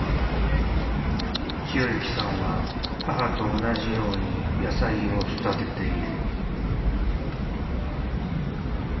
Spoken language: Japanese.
清幸さんは母と同じように野菜を育てている。